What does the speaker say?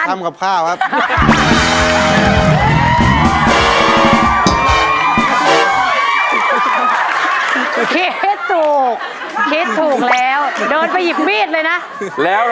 สวัสดีครับ